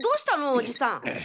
おじさん。